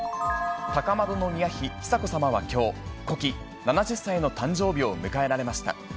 高円宮妃久子さまはきょう、古希７０歳の誕生日を迎えられました。